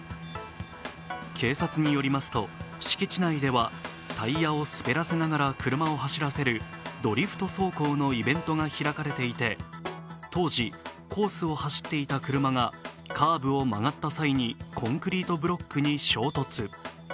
警察によりますと敷地内ではタイヤを滑らせながら車を走らせるドリフト走行のイベントが開かれていて当時、コースを走っていた車がカーブを曲がった際にコンクリートブロックに衝突。